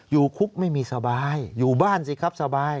อยู่คุกไม่มีสบายอยู่บ้านสิครับสบาย